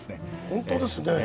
本当ですね。